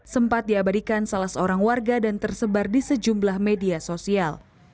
sempat diabadikan salah seorang warga dan tersebar di sejumlah media sosial